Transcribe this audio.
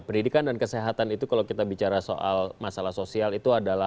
pendidikan dan kesehatan itu kalau kita bicara soal masalah sosial itu adalah